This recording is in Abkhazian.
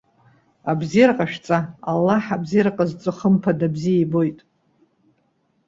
Абзиара ҟашәҵа, Аллаҳ абзиара ҟазҵо хымԥада бзиа ибоит.